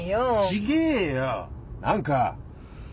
違ぇよ！何か。